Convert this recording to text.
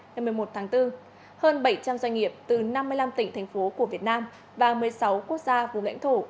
ngày một mươi một tháng bốn hơn bảy trăm linh doanh nghiệp từ năm mươi năm tỉnh thành phố của việt nam và một mươi sáu quốc gia vùng lãnh thổ